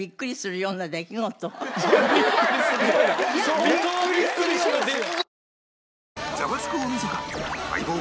相当ビックリしますよ！